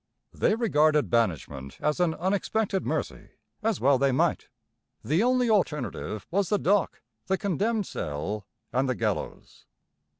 They regarded banishment as an unexpected mercy, as well they might. The only alternative was the dock, the condemned cell, and the gallows.